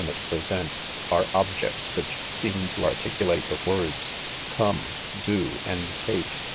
mate present , are objects which seem to articulate the ^ words : come, do, and take